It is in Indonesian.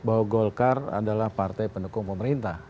bahwa golkar adalah partai pendukung pemerintah